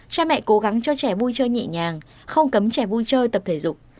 cha mẹ cố gắng cho trẻ vui chơi nhẹ nhàng không cấm trẻ vui chơi tập thể dục